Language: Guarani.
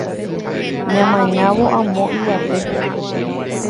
Ñamañávo amo yvate